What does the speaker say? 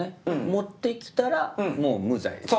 持って来たらもう無罪です。